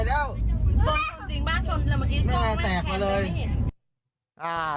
โอ้ยโดนชนแตกไปแล้ว